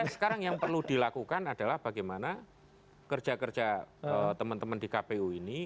sekarang yang perlu dilakukan adalah bagaimana kerja kerja teman teman di kpu ini